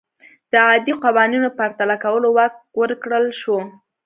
د عادي قوانینو پرتله کولو واک ورکړل شو.